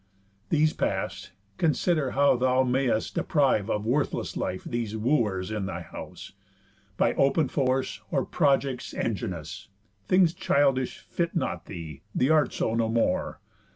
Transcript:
These past, consider how thou mayst deprive Of worthless life these wooers in thy house, By open force, or projects enginous. Things childish fit not thee; th' art so no more.